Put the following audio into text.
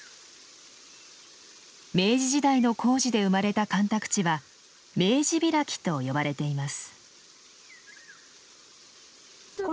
明治時代の工事で生まれた干拓地は明治開と呼ばれています。